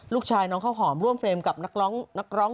ลูกชายน้องเข้าหอมร่วมเฟรมกับนักร้อง